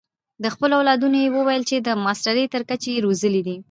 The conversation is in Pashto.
د خپلو اولادونو یې وویل چې د ماسټرۍ تر کچې یې روزلي دي.